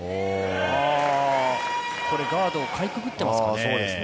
ガードをかいくぐっていますね。